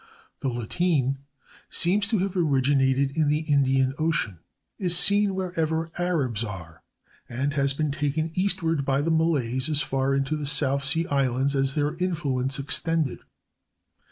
The lateen seems to have originated in the Indian Ocean, is seen wherever Arabs are, and has been taken eastward by the Malays as far into the South Sea Islands as their influence extended.